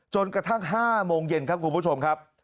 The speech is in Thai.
กระทั่ง๕โมงเย็นครับคุณผู้ชมครับ